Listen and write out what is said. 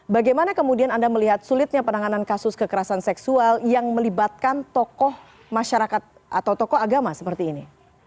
bagaimana kemudian anda melihat sulitnya penanganan kasus kekerasan seksual yang melibatkan tokoh masyarakat atau tokoh agama seperti ini